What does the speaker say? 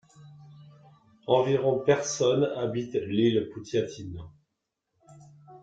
Environ personnes habitent l'île Poutiatine.